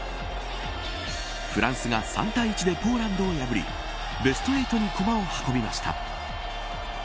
フランスが３対１でポーランドを破りベスト８に駒を運びました。